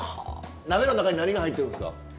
鍋の中に何が入ってるんですか？